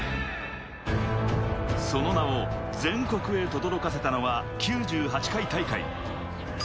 その名を全国へとどろかせたのは９８回大会。